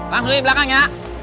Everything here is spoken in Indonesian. langsung ke belakang ya